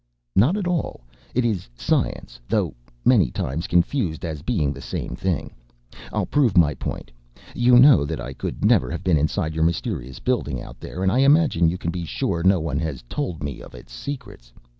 "Not at all, it is science, though many times confused as being the same thing. I'll prove my point. You know that I could never have been inside your mysterious building out there, and I imagine you can be sure no one has told me its secrets.